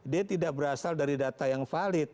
dia tidak berasal dari data yang valid